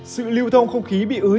sự lưu thông không khí bị ứ trệ